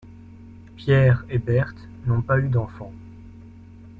Pierre et Berthe n'ont pas eu d'enfants.